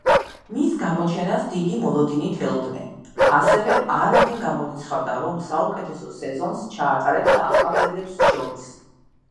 მის გამოჩენას დიდი მოლოდინით ელოდნენ, ასევე არავინ გამორიცხავდა, რომ საუკეთესო სეზონს ჩაატარებდა ახალბედებს შორის.